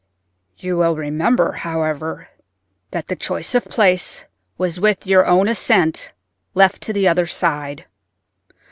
"You will remember, however, that the choice of place was with your own assent left to the other side.